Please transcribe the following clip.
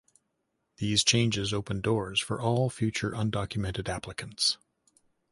These changes open doors for all future undocumented applicants.